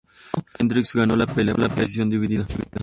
Hendricks ganó la pelea por decisión dividida.